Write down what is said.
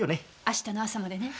明日の朝までね。